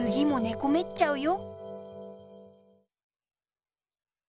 こめっちゃうよ。